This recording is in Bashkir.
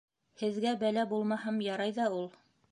Һеҙгә бәлә булмаһам ярай ҙа ул...